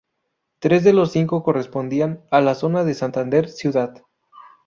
Tres de los cinco correspondían a la zona de Santander ciudad.